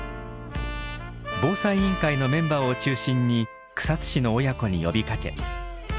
防災委員会のメンバーを中心に草津市の親子に呼びかけ